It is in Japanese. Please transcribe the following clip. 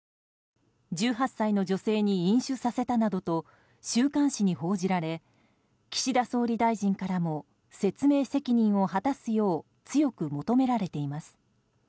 １８歳の女性に飲酒させたなどと週刊誌に報じられ岸田総理大臣からも説明責任を果たすよう強く求められています。